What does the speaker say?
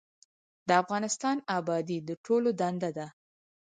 د افغانستان ابادي د ټولو دنده ده